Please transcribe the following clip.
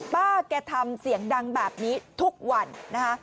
ป้าแกทำเสียงดังแบบนี้ทุกวันนะคะ